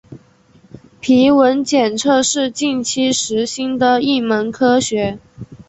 皮纹检测是近期时兴的一门学科。